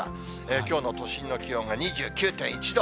きょうの都心の気温が２９．１度。